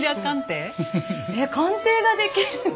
え鑑定ができるの？